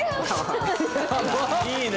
いいね！